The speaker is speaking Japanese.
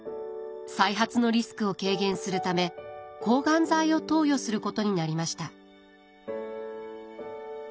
再発のリスクを軽減するため抗がん剤を投与することになりました。